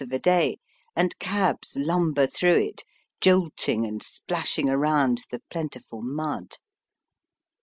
of a day, and cabs lumber through it, jolting and splashing around the plentiful mud.